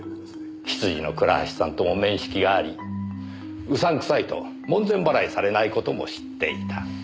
執事の倉橋さんとも面識がありうさんくさいと門前払いされない事も知っていた。